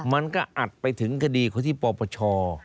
มันก็อัดไปถึงคดีของที่ปปช